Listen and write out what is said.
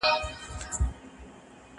هغه څوک چي اوبه پاکوي روغ وي!